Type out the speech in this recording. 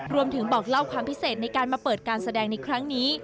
บอกเล่าความพิเศษในการมาเปิดการแสดงในครั้งนี้